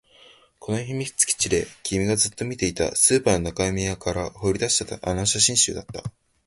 この秘密基地で君がずっと見ていた、スーパーの中庭から掘り出したあの写真集だった